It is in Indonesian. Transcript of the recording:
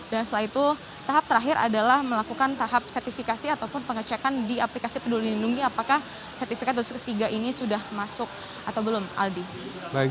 dan setelah itu tahap terakhir adalah melakukan tahap sertifikasi ataupun pengecekan di aplikasi penduduk lindungi apakah sertifikat dosis ketiga ini sudah masuk atau belum aldi